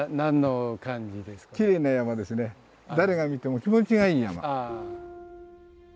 誰が見ても気持ちがいい山。